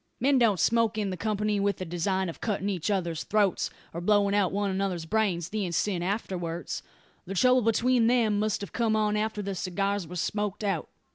Men don't smoke in company with the design of cutting each other's throats, or blowing out one another's brains, the instant afterwards. The trouble between them must have come on after the cigars were smoked out.